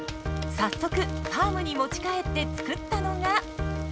早速ファームに持ち帰って作ったのが。